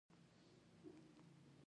ګوتې يې خلاصې کړې.